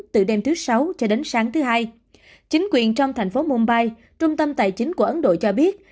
từ đêm thứ sáu cho đến sáng thứ hai chính quyền trong thành phố mumbai trung tâm tài chính của ấn độ cho biết